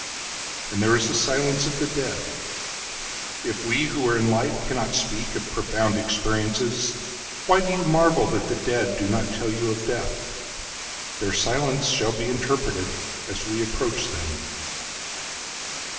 And there is the silence of the dead. If we who are in life cannot speakOf profound experiences, Why do you marvel that the deadDo not tell you of death? Their silence shall be interpretedAs we approach them.